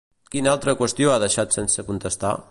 Quina altra qüestió ha deixat sense contestar?